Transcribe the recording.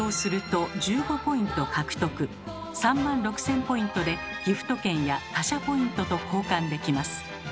３万６，０００ポイントでギフト券や他社ポイントと交換できます。